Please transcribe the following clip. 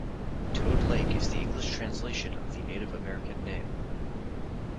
Toad Lake is the English translation of the Native American name.